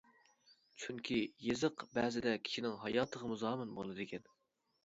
چۈنكى يېزىق بەزىدە كىشىنىڭ ھاياتىغىمۇ زامىن بولىدىكەن.